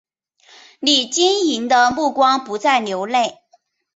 你晶莹的目光不再流泪